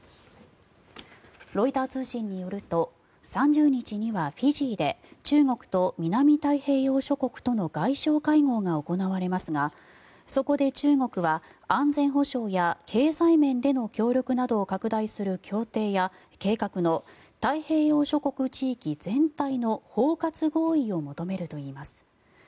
ロイター通信によると３０日にはフィジーで中国と南太平洋諸国との外相会合が行われますがそこで中国は安全保障や経済面での協力などを拡大する協定や計画の太平洋諸国地域全体の包括合意を求めるといいます。